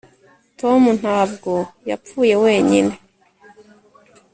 tom ntabwo yapfuye wenyine